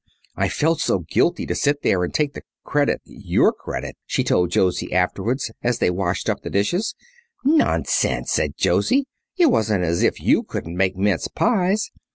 "I felt so guilty to sit there and take the credit your credit," she told Josie afterwards, as they washed up the dishes. "Nonsense," said Josie. "It wasn't as if you couldn't make mince pies.